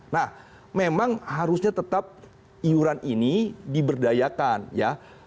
nah memang harusnya tetap iuran ini diberdayakan ya